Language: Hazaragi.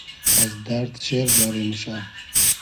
از دئرد شېر جاری موشۂ